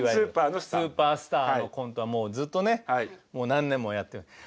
「スーパースター」のコントはもうずっとねもう何年もやってる。